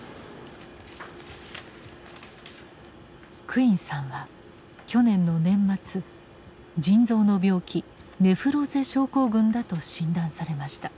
クインさんは去年の年末腎臓の病気ネフローゼ症候群だと診断されました。